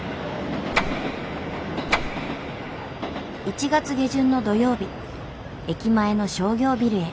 １月下旬の土曜日駅前の商業ビルへ。